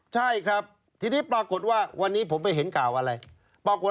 ดูแลตำรวจเหมือนกันนะคะ